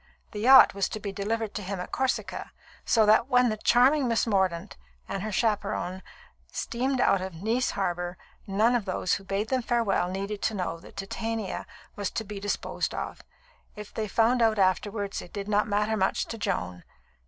The yacht was to be delivered to him at Corsica, so that when the charming Miss Mordaunt and her chaperon steamed out of Nice Harbour, none of those who bade them farewell needed to know that Titania was to be disposed of. If they found out afterwards, it did not matter much to Joan.